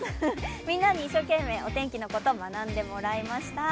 みんなに一生懸命、お天気のことを学んでもらいました。